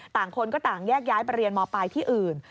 ต่างคนก็ต่างแยกย้ายไปเรียนมปลายที่อื่น